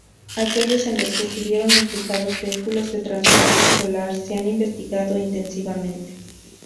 Aquellos en los que estuvieron implicados vehículos de transporte escolar se han investigado intensivamente.